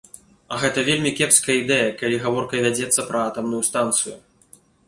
А гэта вельмі кепская ідэя, калі гаворка вядзецца пра атамную станцыю.